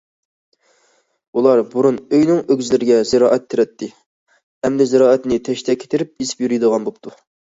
ئۇلار بۇرۇن ئۆيىنىڭ ئۆگزىلىرىگە زىرائەت تېرەتتى، ئەمدى زىرائەتنى تەشتەككە تېرىپ، ئېسىپ يۈرىدىغان بوپتۇ.